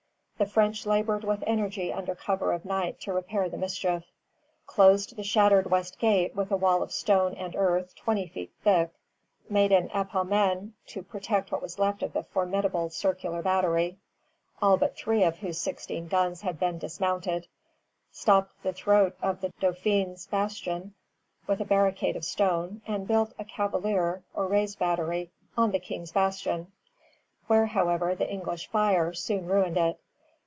The French labored with energy under cover of night to repair the mischief; closed the shattered West Gate with a wall of stone and earth twenty feet thick, made an epaulement to protect what was left of the formidable Circular Battery, all but three of whose sixteen guns had been dismounted, stopped the throat of the Dauphin's Bastion with a barricade of stone, and built a cavalier, or raised battery, on the King's Bastion, where, however, the English fire soon ruined it.